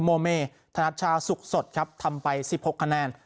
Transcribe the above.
โมเมธนัชชาสุขสดครับทำไป๑๖คะแนน